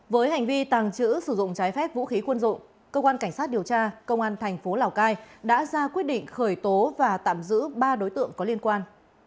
với hành vi tàng trữ sử dụng trái phép vũ khí quân dụng cơ quan cảnh sát điều tra công an thành phố lào cai đã ra quyết định khởi tố và tạm giữ ba đối tượng có liên quan